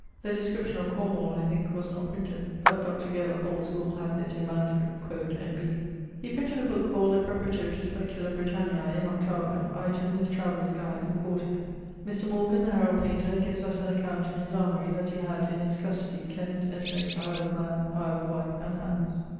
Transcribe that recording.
The description of Cornwall (I thinke) was not printed; but Dr. Gale of Paule's schoole hath it in manuscript, quod N.B. He printed a booke called a Preparative to Speculum Britanniae, in 8vo; item, his Travellers Guide, in 4to. Mr. Morgan, the herald painter, gives us an account in his Armorie, that he had, in his custodie, Kent, Essex, Isle of Man, Isle of Wight, and Hants.